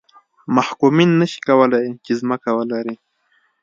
محکومین نه شي کولای چې ځمکه ولري.